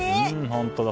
本当だ。